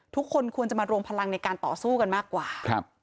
ทุกคนควรจะมารวมพลังในการต่อสู้กันมากกว่า